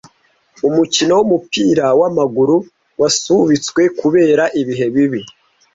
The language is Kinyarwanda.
Umukino wumupira wamaguru wasubitswe kubera ibihe bibi.